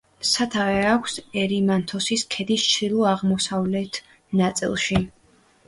სათავე აქვს ერიმანთოსის ქედის ჩრდილო-აღმოსავლეთ ნაწილში.